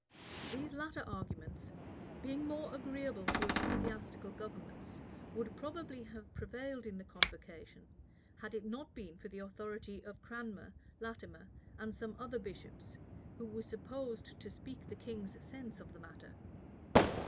These latter arguments, being more agreeable to ecclesiastical governments, would probably have prevailed in the convocation, had it not been for the authority of Cranmer, Latimer, and some other bishops, who were supposed to speak the king's sense of the matter.